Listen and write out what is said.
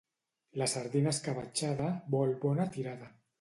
La sardina escabetxada vol bona tirada.